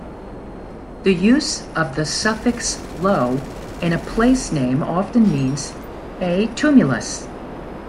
The use of the suffix "Low" in a place name often means a tumulus.